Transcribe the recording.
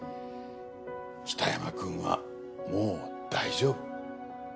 北山君はもう大丈夫。